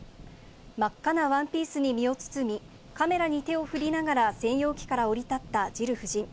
真っ赤なワンピースに身を包み、カメラに手を振りながら専用機から降り立ったジル夫人。